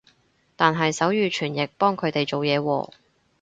但係手語傳譯幫佢哋做嘢喎